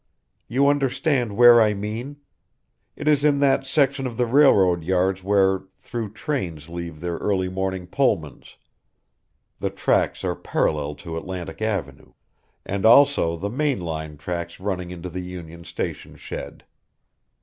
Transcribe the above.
You understand where I mean? It is in that section of the railroad yards where through trains leave their early morning Pullmans the tracks are parallel to Atlantic Avenue and also the main line tracks running into the Union Station shed.